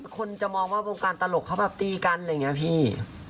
คนจะมองว่าวงการตลกเขาแบบตีกันอะไรอย่างนี้พี่